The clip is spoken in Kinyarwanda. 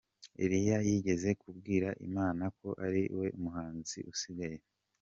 Eliya yigeze kubwira Imana ko ari we muhanuzi usigaye